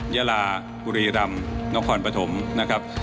ยาลาบุรีรำนครปฐมนะครับ